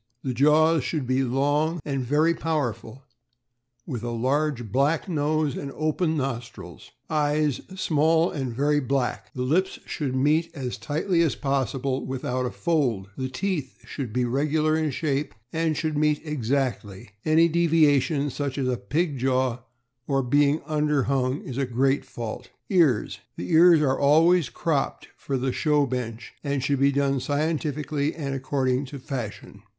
The jaws should be long and very powerful, with a large black nose and open nostrils. Eyes small and very black. The lips should meet as tightly as possible, without a fold. The teeth should be regular 432 THE AMERICAN BOOK OF THE DOG. in shape, and should meet exactly; any deviation, such as a " pig jaw" or "being underhung," is a great fault. Ears.— The ears are always cropped for the show bench, and should be done scientifically and according to fashion.